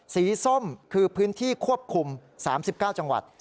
ส้มคือพื้นที่ควบคุม๓๙จังหวัด